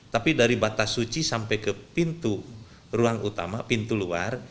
tapi dari batas suci sampai ke pintu ruang utama pintu luar